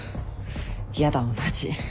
やだ同じ。